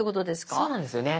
そうなんですよね。